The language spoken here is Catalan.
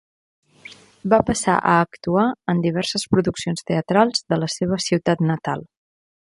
Va passar a actuar en diverses produccions teatrals de la seva ciutat natal.